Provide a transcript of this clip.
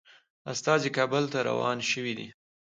استازي کابل ته روان شوي دي.